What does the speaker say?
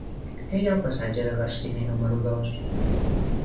Què hi ha al passatge de Garcini número dos?